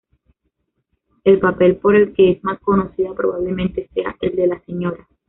El papel por el que es más conocida probablemente sea el de la Sra.